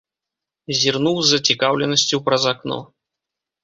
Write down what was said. Зірнуў з зацікаўленасцю праз акно.